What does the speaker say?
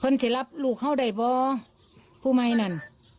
คนที่รับลูกเขาได้บ้าผู้ใหม่นั้น